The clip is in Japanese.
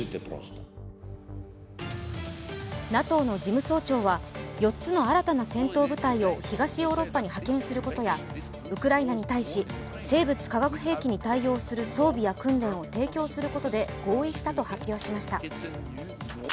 ＮＡＴＯの事務総長は４つの新たな戦闘部隊を東ヨーロッパに派遣することやウクライナに対し、生物・化学兵器に対応する装備や訓練を提供することで合意したと発表しました。